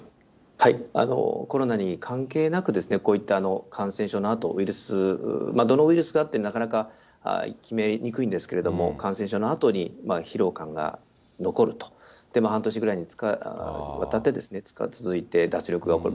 はい、コロナに関係なく、こういった感染症のあと、ウイルス、どのウイルスかってなかなか決めにくいんですけれども、感染症のあとに疲労感が残ると、半年ぐらいにわたって、続いて、脱力が起こる。